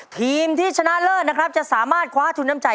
ทีมที่ชนะเลิศนะครับจะสามารถคว้าทุนน้ำใจ